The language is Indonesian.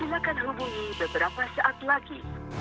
silahkan hubungi beberapa saat lagi